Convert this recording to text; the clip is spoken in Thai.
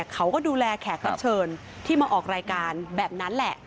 เขาก็ดูแลแขกรับเชิญที่มาออกรายการแบบนั้นแหละ